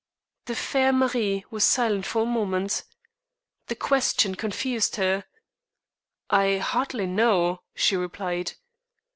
The fair Marie was silent for a moment. The question confused her. "I hardly know," she replied.